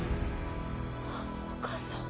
お母さん？